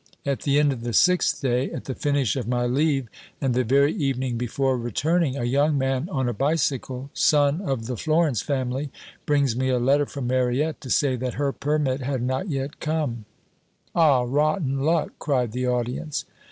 At the end of the sixth day at the finish of my leave, and the very evening before returning a young man on a bicycle, son of the Florence family, brings me a letter from Mariette to say that her permit had not yet come " "Ah, rotten luck," cried the audience.